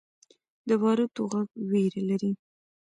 د باروتو غږ ویره لري.